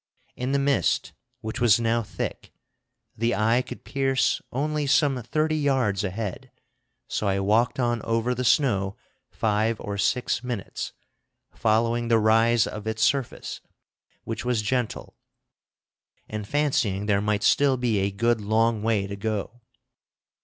In the mist, which was now thick, the eye could pierce only some thirty yards ahead; so I walked on over the snow five or six minutes, following the rise of its surface, which was gentle, and fancying there might still be a good long way to go.